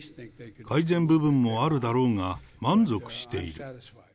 改善部分もあるだろうが、満足している。